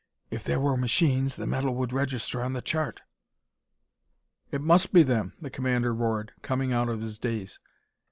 "If there were machines, the metal would register on the chart." "It must be them!" the commander roared, coming out of his daze.